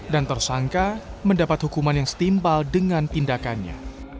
dan tersangka mendapat hukuman yang setimpal dengan tindakannya